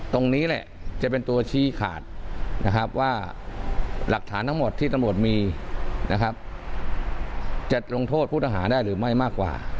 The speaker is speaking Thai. ตรงนี้แหละจะเป็นตัวชี้ขาดนะครับว่าหลักฐานทั้งหมดที่ตำรวจมีนะครับจะลงโทษผู้ต้องหาได้หรือไม่มากกว่า